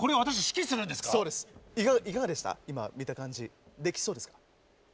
今見た感じできそうですか？